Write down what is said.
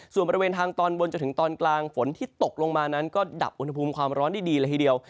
ส่วนบริเวณทางตอนบนจนถึงตอนกลางฝนที่ตกลงมานั้นก็ดับอุณหภูมิความร้อนได้ดีเลยทีเดียว